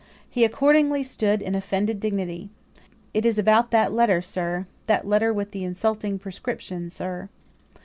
He, accordingly, stood in offended dignity. "It is about that letter, sir that letter with the insulting prescription, sir."